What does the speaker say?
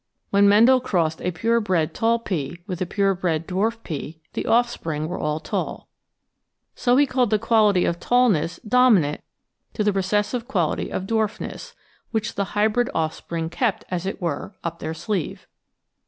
When Mendel crossed a pure bred tall pea with a pure bred dwarf pea the offspring were all tall. So he called the 882 The Outline of Science quality of tallness dominant to the recessive quality of dwarf ness, which the hybrid offspring kept, as it were, up their sleeve.